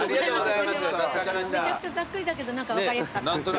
めちゃくちゃざっくりだけど何か分かりやすかった。